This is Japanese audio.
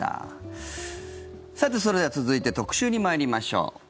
さて、それでは続いて特集に参りましょう。